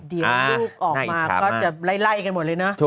เดี๋ยวลูกออกมาก็จะไล่กันหมดเลยนะ